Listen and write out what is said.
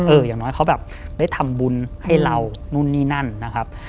อย่างน้อยเขาแบบได้ทำบุญให้เรานู่นนี่นั่นนะครับ